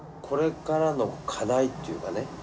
これからの課題っていうかね。